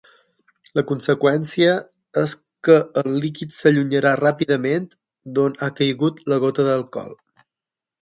La conseqüència és que el líquid s'allunyarà ràpidament d'on ha caigut la gota d'alcohol.